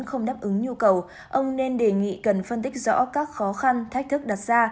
không đáp ứng nhu cầu ông nên đề nghị cần phân tích rõ các khó khăn thách thức đặt ra